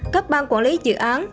các ban quản lý dự án